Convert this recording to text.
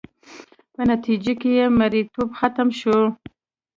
په نتیجه کې یې مریتوب ختم شو